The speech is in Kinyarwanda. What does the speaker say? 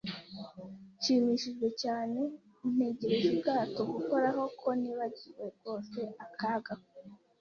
nshimishijwe cyane, ntegereje ubwato gukoraho, ko nibagiwe rwose akaga ko